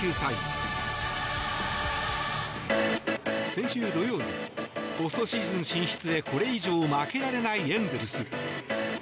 先週土曜日ポストシーズン進出へこれ以上負けられないエンゼルス。